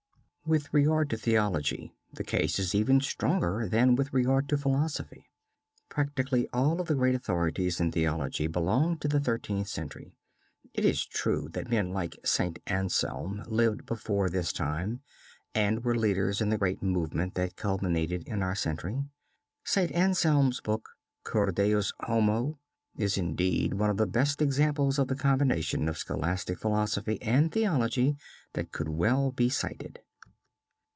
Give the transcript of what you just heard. With regard to theology the case is even stronger than with regard to philosophy. Practically all of the great authorities in theology belong to the Thirteenth Century. It is true that men like Saint Anselm lived before this time and were leaders in the great movement that culminated in our century. Saint Anselm's book, Cur Deus Homo, is indeed one of the best examples of the combination of scholastic philosophy and theology that could well be cited.